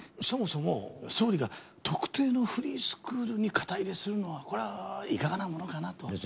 そもそも総理が特定のフリースクールに肩入れするのはこれはいかがなものかなと。